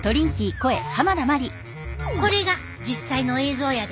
これが実際の映像やで。